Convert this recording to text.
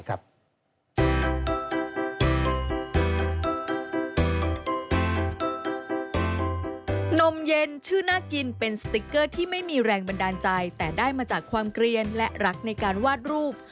เมื่อที่ไม่มีแรงบันดาลใจแต่ได้มาจากความเกรียญและรักในการวาดรูป